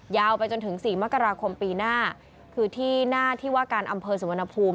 ยาวไปจนถึงสี่มกราคมปีหน้าคือที่หน้าที่ว่าการอำเภอสุวรรณภูมิ